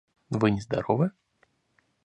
Вы нездоровы?